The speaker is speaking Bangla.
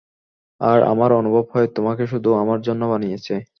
আর আমার অনুভব হয়, তোমাকে শুধু আমার জন্য বানিয়েছে।